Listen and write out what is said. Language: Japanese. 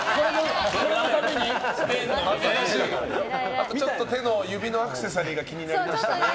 あと指のアクセサリーが気になりましたね。